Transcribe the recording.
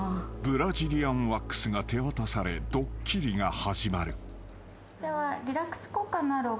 ［ブラジリアンワックスが手渡されドッキリが始まる］では。